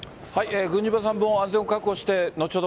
郡嶌さん、安全を確保して後ほど